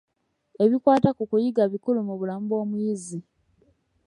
Ebikwata ku kuyigga bikulu mu bulamu bw'omuyizzi.